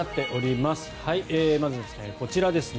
まずはこちらですね。